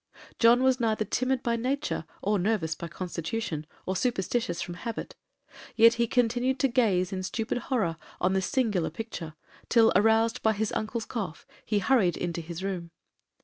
John was neither timid by nature, or nervous by constitution, or superstitious from habit, yet he continued to gaze in stupid horror on this singular picture, till, aroused by his uncle's cough, he hurried into his room.